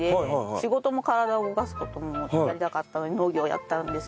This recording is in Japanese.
仕事も体を動かす事もやりたかったので農業やったんです